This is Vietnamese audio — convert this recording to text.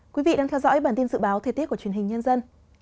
quý vị đang theo dõi bản tin dự báo thời tiết của truyền hình nhân dân